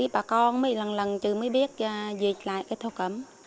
bà con mới lần lần mới biết dịch lại thổ cẩm